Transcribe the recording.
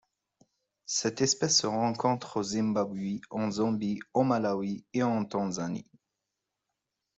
Cette espèce se rencontre au Zimbabwe, en Zambie, au Malawi et en Tanzanie.